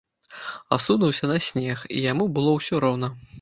Асунуўся на снег, і яму было ўсё роўна.